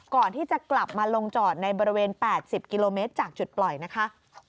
ก่อนที่จะกลับมาลงจอดในบริเวณ๘๐กิโลเมตรจากจุดปล่อยนะคะ